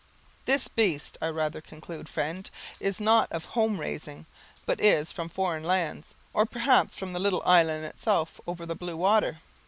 "This beast, I rather conclude, friend, is not of home raising, but is from foreign lands, or perhaps from the little island itself over the blue water?"